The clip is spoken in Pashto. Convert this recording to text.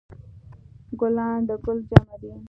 ګلان د ګل جمع ده